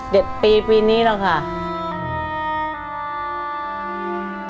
ปีปีนี้แล้วค่ะ